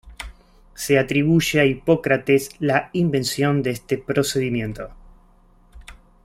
Se atribuye a Hipócrates la invención de este procedimiento.